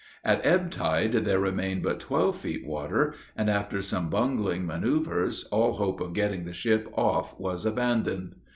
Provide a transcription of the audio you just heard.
At ebb tide, there remained but twelve feet water; and after some bungling manoeuvres, all hope of getting the ship off was abandoned.